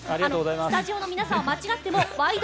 スタジオの皆さん、間違っても「ワイド！